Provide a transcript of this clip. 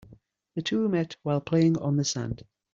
The two met while playing on the sand.